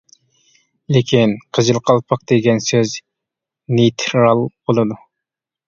لېكىن «قىزىل قالپاق» دېگەن سۆز نېيترال بولىدۇ.